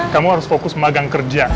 kamu harus fokus magang kerja